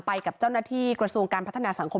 ไปกับเจ้าหน้าที่กระทรวงการพัฒนาสังคม